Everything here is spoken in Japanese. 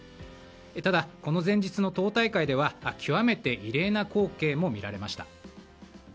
ただ、この前日の党大会では極めて異例な光景も見られました。